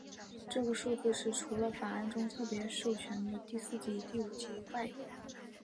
这个数字是除了法案中特别授权的第四级和第五级外的。